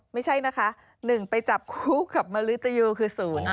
ไม่ใช่นะคะหนึ่งไปจับคู่กับมาริตยูคือศูนย์